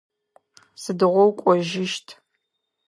Сыдыгъо укӏожьыщт?